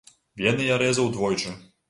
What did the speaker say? Вены я рэзаў двойчы.